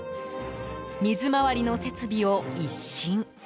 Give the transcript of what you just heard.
水回りの設備を一新。